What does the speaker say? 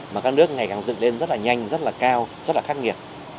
mà các nước ngày càng dựng lên rất là nhanh rất là cao rất là khắc nghiệt